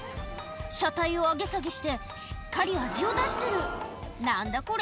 車体を上げ下げしてしっかり味を出してる何だこれ！